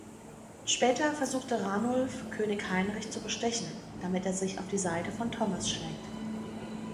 Später versuchte Ranulf, König Heinrich zu bestechen, damit er sich auf die Seite von Thomas schlägt.